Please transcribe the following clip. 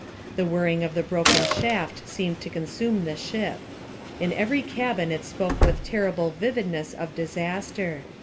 The whirring of the broken shaft seemed to consume the ship. In every cabin it spoke with terrible vividness of disaster.